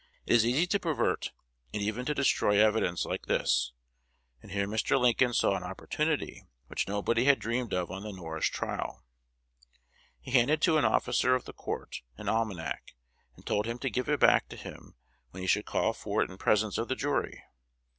It is easy to pervert and even to destroy evidence like this; and here Mr. Lincoln saw an opportunity which nobody had dreamed of on the Norris trial. He handed to an officer of the court an almanac, and told him to give it back to him when he should call for it in presence of the jury.